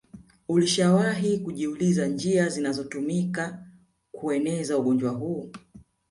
ulishawahi kujiuliza njia zinazotumika kueneza ugonjwa huu